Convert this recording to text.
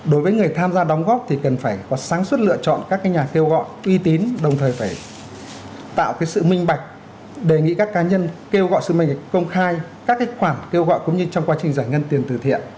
đối với người tham gia đóng góp thì cần phải có sáng suốt lựa chọn các nhà kêu gọi uy tín đồng thời phải tạo sự minh bạch đề nghị các cá nhân kêu gọi sự minh công khai các khoản kêu gọi cũng như trong quá trình giải ngân tiền từ thiện